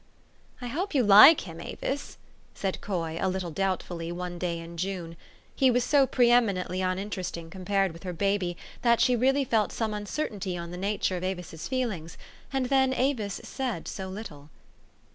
" I hope you like him, Avis," said Coy a little doubtfully, one day in June. He was so pre emi nently uninteresting compared with her baby, that she really felt some uncertainty on the nature of Avis's feelings ; and then Avis said so little